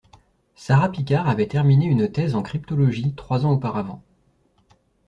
Sara Picard avait terminé une thèse en cryptologie trois ans auparavant